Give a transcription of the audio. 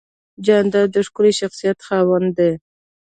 جانداد د ښکلي شخصیت خاوند دی.